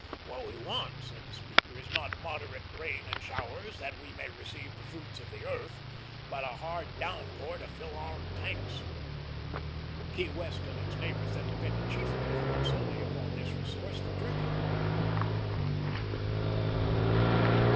"What we want," said the speaker, "is not 'moderate rain and showers, that we may receive the fruits of the earth,' but a hard down pour to fill our tanks." Key West and its neighbors then depended chiefly, if not solely, upon this resource for drinking water.